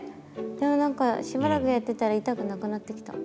でも何かしばらくやってたら痛くなくなってきた。